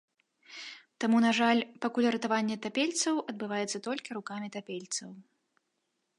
Таму, на жаль, пакуль ратаванне тапельцаў адбываецца толькі рукамі тапельцаў.